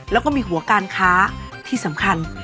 แล้วก็มีหัวการค้าที่สำคัญ